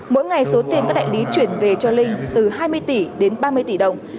mỗi ngày số tiền các đại lý chuyển về cho linh từ hai mươi tỷ đến ba mươi tỷ đồng